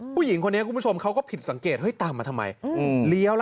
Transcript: ผู้หญิงคนนี้คุณผู้ชมเขาก็ผิดสังเกตตามมาทำไม